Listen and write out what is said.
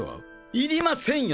要りませんよ